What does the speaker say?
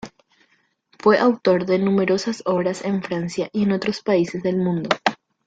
Fue autor de numerosas obras en Francia y en otros países del mundo.